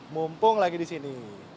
mumpung lagi di sini